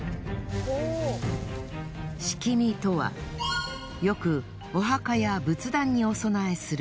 樒とはよくお墓や仏壇にお供えする